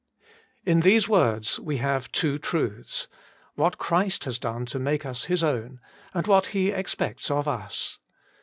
IN these words we have two truths — what Christ has done to make us His own, and what He expects of us.